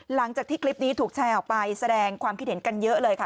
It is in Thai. หลังจากที่คลิปนี้ถูกแชร์ออกไปแสดงความคิดเห็นกันเยอะเลยค่ะ